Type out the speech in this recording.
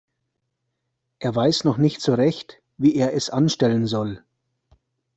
Er weiß noch nicht so recht, wie er es anstellen soll.